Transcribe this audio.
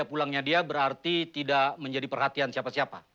jadi pulangnya dia berarti tidak menjadi perhatian siapa siapa